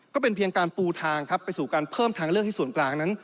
ก็เป็นเพียงการปูทางครับไปสู่การเพิ่มทางเลือกให้ส่วนกลางนั้น